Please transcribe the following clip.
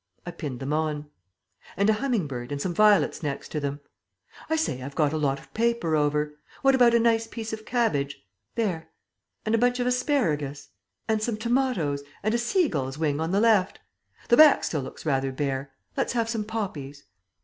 I pinned them on. "And a humming bird and some violets next to them.... I say, I've got a lot of paper over. What about a nice piece of cabbage ... there ... and a bunch of asparagus ... and some tomatoes and a seagull's wing on the left. The back still looks rather bare let's have some poppies."